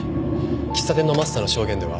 喫茶店のマスターの証言では。